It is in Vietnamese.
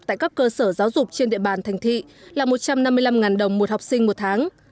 tại các cơ sở giáo dục trên địa bàn thành thị là một trăm năm mươi năm đồng một học sinh một tháng